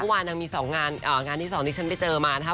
วันนั้นมี๒งานงานที่ฉันไปเจอมานะคะ